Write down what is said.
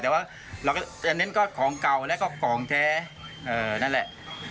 แต่ว่าเราก็จะเน้นก็ของเก่าแล้วก็ของแท้นั่นแหละ